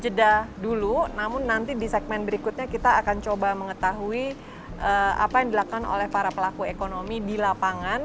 jeda dulu namun nanti di segmen berikutnya kita akan coba mengetahui apa yang dilakukan oleh para pelaku ekonomi di lapangan